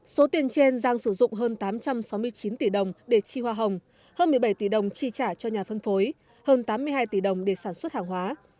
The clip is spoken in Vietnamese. số tiền trên giang sử dụng hơn tám trăm sáu mươi chín tỷ đồng để chi hoa hồng hơn một mươi bảy tỷ đồng chi trả cho nhà phân phối hơn tám mươi hai tỷ đồng để sản xuất hàng hóa